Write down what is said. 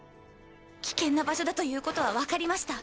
危険な場所だということは分かりました。